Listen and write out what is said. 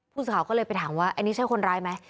ผู้สื่อข่าวก็เลยไปถามว่าอันนี้ใช่คนร้ายไหม